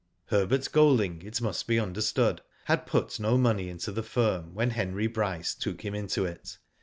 Herbert Golding, it must be understood, had put no money into the firm when Henry Bryce took him into it.